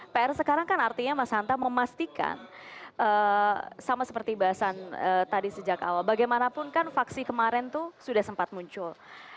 pr sekarang kan artinya mas hanta memastikan sama seperti bahasan tadi sejak awal bagaimanapun kan vaksi kemarin itu sudah sempat muncul